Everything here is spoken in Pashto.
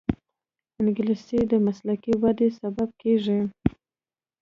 انګلیسي د مسلکي وده سبب کېږي